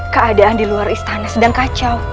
keadaan di luar istana sedang kacau